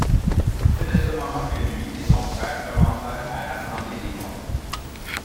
C'est à ce moment que lui et son frère commencèrent à rassembler des contes.